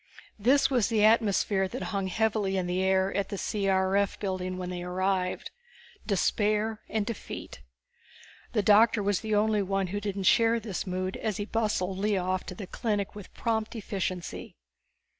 This was the atmosphere that hung heavily in the air at the C.R.F. building when they arrived. Despair and defeat. The doctor was the only one who didn't share this mood as he bustled Lea off to the clinic with prompt efficiency.